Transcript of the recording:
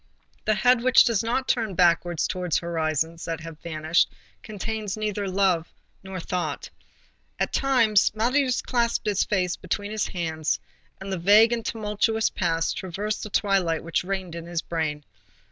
The head which does not turn backwards towards horizons that have vanished contains neither thought nor love. At times, Marius clasped his face between his hands, and the vague and tumultuous past traversed the twilight which reigned in his brain.